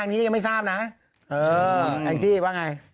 อันที่ว่าไง